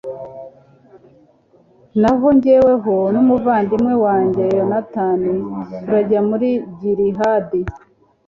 naho jyewe n'umuvandimwe wanjye yonatani, turajya muri gilihadi